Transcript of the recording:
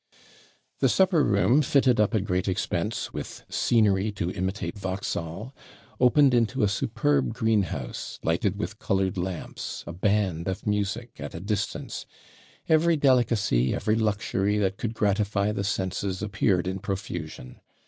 The supper room, fitted up at great expense, with scenery to imitate Vauxhall, opened into a superb greenhouse, lighted with coloured lamps, a band of music at a distance every delicacy, every luxury that could gratify the senses, appeared in profusion.